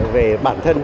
về bản thân